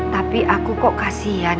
tapi aku kok kasihan